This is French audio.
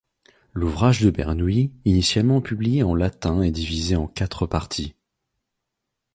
L'ouvrage de Bernoulli, initialement publié en latin est divisé en quatre parties.